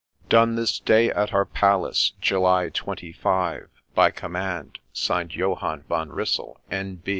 ' Done this day, at our palace, — July twenty five, — By command, (Signed) Johann Von Russell, N.